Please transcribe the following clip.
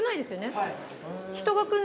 はい。